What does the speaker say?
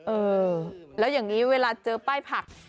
เออแล้วอย่างนี้เวลาเจอป้ายผัก